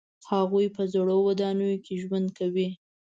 هغوی په زړو ودانیو کې ژوند کوي.